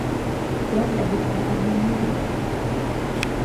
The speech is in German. Dort erlitt er eine Niederlage.